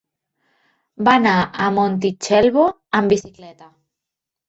Va anar a Montitxelvo amb bicicleta.